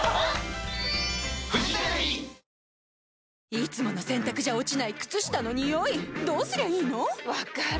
いつもの洗たくじゃ落ちない靴下のニオイどうすりゃいいの⁉分かる。